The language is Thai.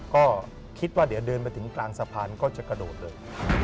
ก็คิดว่าเดี๋ยวเดินไปถึงกลางสะพานก็จะกระโดดเลย